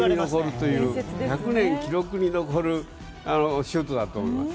１００年記録に残るシュートだと思います。